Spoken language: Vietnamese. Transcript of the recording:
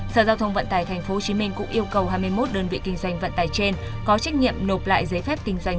sở giao thông vận tải tp hcm cũng yêu cầu hai mươi một đơn vị kinh doanh vận tải trên có trách nhiệm nộp lại giấy phép kinh doanh